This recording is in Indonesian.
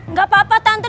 gak apa apa tante